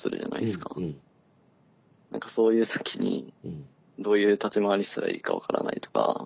そういう時にどういう立ち回りしたらいいか分からないとか。